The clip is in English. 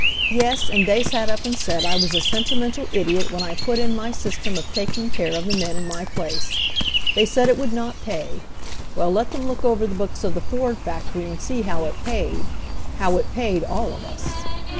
Yes, and they sat up and said I was a sentimental idiot when I put in my system of taking care of the men in my place. They said it would not pay. Well, let them look over the books of the Ford factory and see how it paid — how it paid all of us."